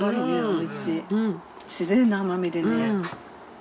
自然な甘みでね。